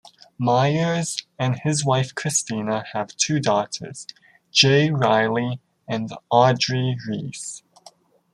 Meyers and his wife Christina have two daughters, Jaye Riley and Audrey Reese.